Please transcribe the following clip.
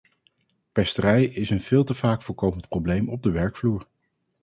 Pesterij is een veel te vaak voorkomend probleem op de werkvloer.